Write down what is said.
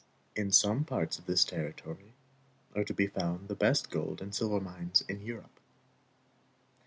In some parts of this territory are to be found the best gold and silver mines in Europe.